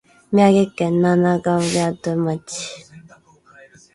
宮城県七ヶ宿町